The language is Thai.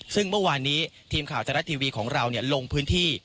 ซึ่งเมื่อวานนี้ทีมข่าวไทยรัฐทีวีของเราลงพื้นที่